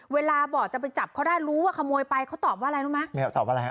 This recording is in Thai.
เวลาบอกจะไปจับเขาได้รู้ว่าขโมยไปเขาตอบว่าอะไรรู้ไหมแมวตอบอะไรฮ